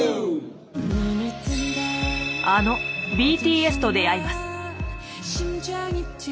あのＢＴＳと出会います。